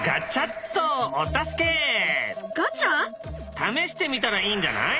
試してみたらいいんじゃない？